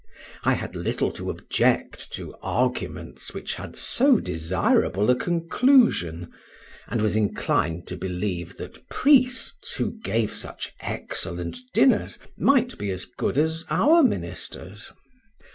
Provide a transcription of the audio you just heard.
I had little to object to arguments which had so desirable a conclusion, and was inclined to believe that priests, who gave such excellent dinners, might be as good as our ministers.